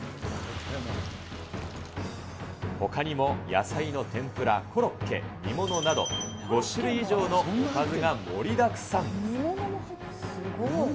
ほかにも野菜の天ぷら、コロッケ、煮物など、５種類以上のおかずが盛りだくさん。